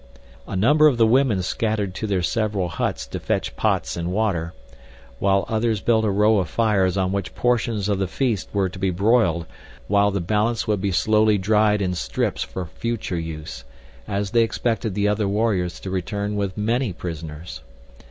A number of the women scattered to their several huts to fetch pots and water, while others built a row of fires on which portions of the feast were to be boiled while the balance would be slowly dried in strips for future use, as they expected the other warriors to return with many prisoners.